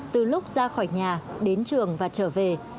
từ lúc ra khỏi nhà đến trường và trở về